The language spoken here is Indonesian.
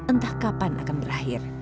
entah kapan akan berakhir